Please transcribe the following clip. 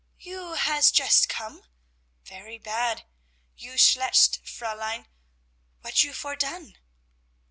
"You has just come! Very bad. You schlecht Fräulein! What you for done?"